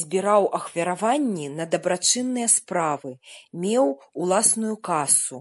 Збіраў ахвяраванні на дабрачынныя справы, меў уласную касу.